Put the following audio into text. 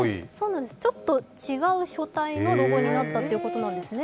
ちょっと違う書体のロゴになったということなんですね。